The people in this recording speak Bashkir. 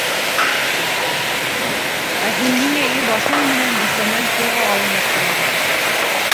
Ә һин ниңә ир башың менән бисәнән ҡулға алынып тораһың?